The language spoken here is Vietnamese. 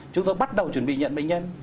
chúng tôi bắt đầu chuẩn bị nhận bệnh nhân